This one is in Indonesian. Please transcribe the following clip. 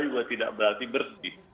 juga tidak berarti bersih